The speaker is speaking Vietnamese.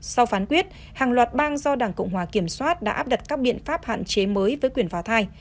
sau phán quyết hàng loạt bang do đảng cộng hòa kiểm soát đã áp đặt các biện pháp hạn chế mới với quyền phà thai